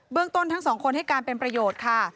ต้นทั้งสองคนให้การเป็นประโยชน์ค่ะ